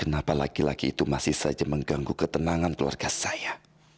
kenapa laki laki itu masih saja mengganggu ketenangan keluarga saya